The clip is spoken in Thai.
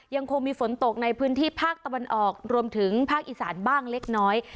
ยังคงมีฝนตกในพื้นที่ภาคตะวันออกรวมถึงภาคอีสานบ้างเล็กน้อย